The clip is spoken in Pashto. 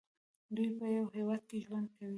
دوی په یو هیواد کې ژوند کوي.